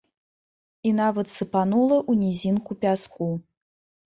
І нават сыпанула ў нізінку пяску.